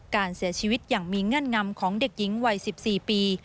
การเสียชีวิตอย่างมีเงื่อนงำของเด็กหญิงวัย๑๔ปี